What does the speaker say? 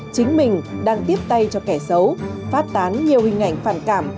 chính mình đang tiếp tay cho kẻ xấu phát tán nhiều hình ảnh phản cảm